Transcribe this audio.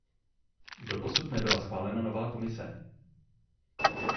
Doposud nebyla schválena nová Komise.